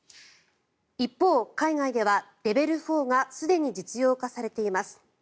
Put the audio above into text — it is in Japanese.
一方、海外ではレベル４がすでに実用化されています。